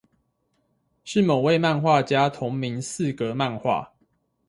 是某位漫畫家同名四格漫畫